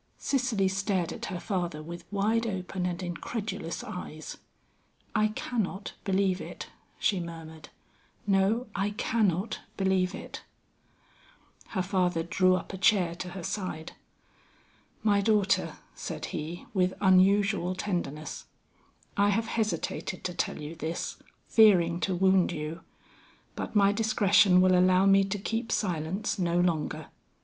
Cicely stared at her father with wide open and incredulous eyes. "I cannot believe it," she murmured; "no, I cannot believe it." Her father drew up a chair to her side. "My daughter," said he, with unusual tenderness, "I have hesitated to tell you this, fearing to wound you; but my discretion will allow me to keep silence no longer.